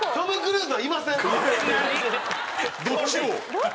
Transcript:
どっちを？